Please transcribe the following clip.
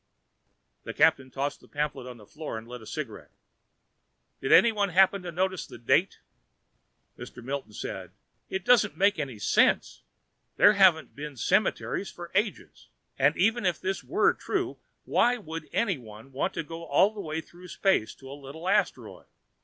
The captain tossed the pamphlet to the floor and lit a cigarette. "Did anyone happen to notice the date?" Mr. Milton said, "It doesn't make any sense! There haven't been cemeteries for ages. And even if this were true, why should anyone want to go all the way through space to a little asteroid?